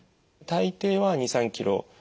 大抵は２３キロ。